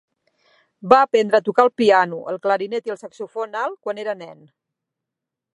Va aprendre a tocar el piano, el clarinet i el saxofon alt quan era nen.